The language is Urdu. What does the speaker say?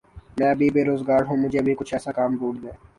میں بھی بے روزگار ہوں مجھے بھی کچھ ایسا کام ڈھونڈ دیں